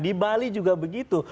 di bali juga begitu